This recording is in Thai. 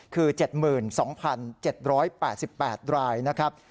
คือ๗๒๗๘๘รายนะครับ